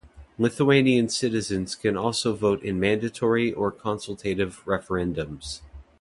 Lithuanian citizens can also vote in mandatory or consultative referendums.